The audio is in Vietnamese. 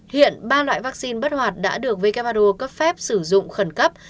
hiện ba loại vaccine bất hoạt đã được who cấp phép sử dụng khẩn cấp